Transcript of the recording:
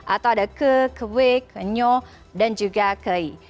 atau ada ke kewe kenyo dan juga kei